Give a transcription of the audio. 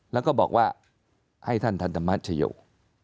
แล้วก็บอกว่าให้ท่านทันธรรมชโยค